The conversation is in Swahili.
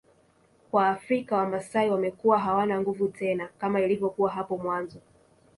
kwa Afrika wamasai wamekuwa hawana nguvu tena kama ilivyokuwa hapo mwanzo